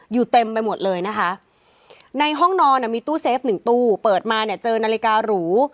อยู่เต็มไปหมดเลยนะคะในห้องนอนมีตู้เซฟหนึ่งตู้เปิดมาเนี่ยเจอนาฬิการู